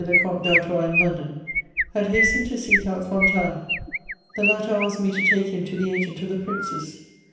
le Comte d'Artois in London, had hastened to seek out Fontanes; the latter asked me to take him to the agent of the Princes.